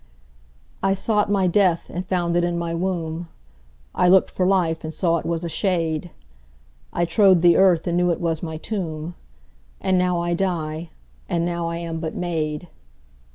13I sought my death and found it in my womb,14I lookt for life and saw it was a shade,15I trode the earth and knew it was my tomb,16And now I die, and now I am but made.